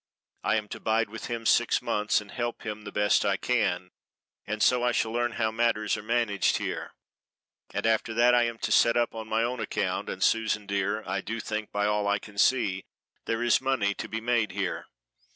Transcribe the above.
I am to bide with him six months and help him the best I can, and so I shall learn how matters are managed here; and after that I am to set up on my own account; and, Susan dear, I do think by all I can see there is money to be made here.